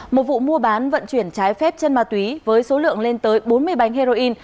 một vụ mua bán vận chuyển trái phép chân ma túy với số lượng lên tới bốn mươi bánh heroin